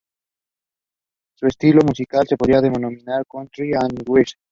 Su estilo musical se podría denominar Country and Western.